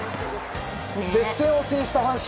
接戦を制した阪神。